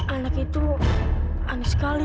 anak itu aneh sekali